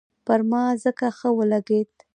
پر ما ځکه ښه ولګېد.